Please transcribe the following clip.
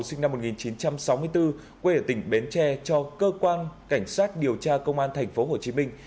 sinh năm một nghìn chín trăm sáu mươi bốn quê ở tỉnh bến tre cho cơ quan cảnh sát điều tra công an thành phố hồ chí minh